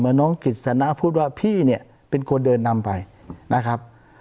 น้องกฤษณะพูดว่าพี่เนี่ยเป็นคนเดินนำไปนะครับ